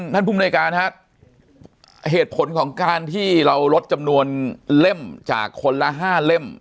ภูมิในการครับเหตุผลของการที่เราลดจำนวนเล่มจากคนละ๕เล่ม